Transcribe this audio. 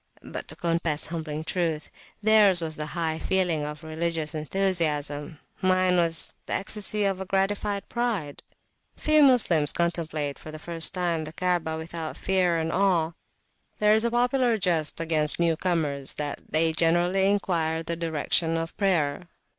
But, to confess humbling truth, theirs was the high feeling of religious enthusiasm, mine was the ecstasy of gratified pride. Few Moslems contemplate for the first time the Kaabah, without fear and awe: there is a popular jest against new comers, that they generally inquire the direction of prayer.